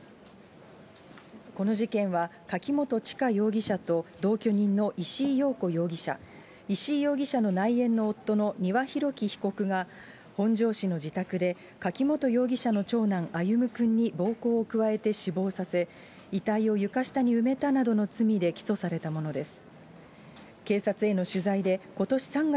この事件は、柿本知香容疑者と同居人の石井陽子容疑者、石井容疑者の内縁の夫のにわひろき被告が本庄市の自宅で柿本容疑者の長男、歩夢くんに暴行を加えて死亡させ、遺体を床下に埋めたなどの罪で起訴されたものです。